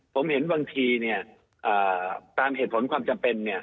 ผมเห็นบางทีตามเหตุผลความจำเป็น